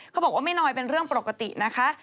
เขาบอกว่าไม่น้อยเป็นเรื่องปกตินะคะ